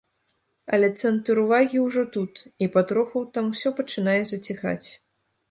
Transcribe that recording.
Але цэнтр увагі ўжо тут, і патроху там усё пачынае заціхаць.